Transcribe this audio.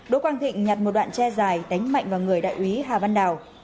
đỗ quang thịnh nhặt một đoạn che dài đánh mạnh vào người đại úy hà văn đào